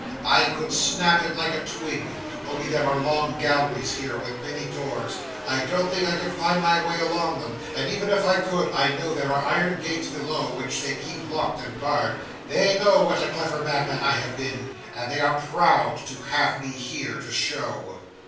I could snap it like a twig, only there are long galleries here with many doors I don't think I could find my way along them; and even if I could, I know there are iron gates below which they keep locked and barred. They know what a clever madman I have been, and they are proud to have me here, to show.